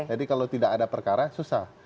jadi kalau tidak ada perkara susah